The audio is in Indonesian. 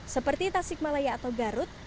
seperti tasikmalaya atau garut